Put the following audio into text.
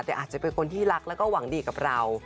แต่อาจจะเป็นคนที่รักแล้วก็หวังดีกับเรา